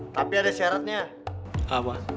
tapi ada syaratnya